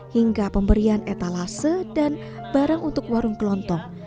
hingga pemberian etalase dan barang untuk warung kelontong